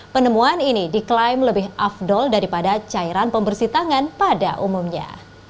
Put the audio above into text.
penemuan ini diklaim lebih afdol daripada cairan pembersih tangan pada umumnya